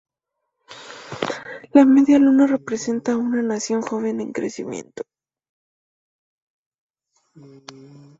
La media luna representa a una nación joven en crecimiento.